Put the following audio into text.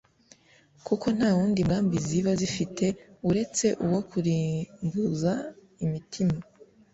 kuko nta wundi mugambi ziba zifite uretse uwo kurimbuza imitima.